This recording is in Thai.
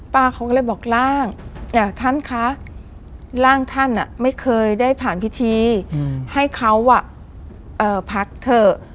เขาก็เลยบอกร่างท่านคะร่างท่านไม่เคยได้ผ่านพิธีให้เขาพักเถอะ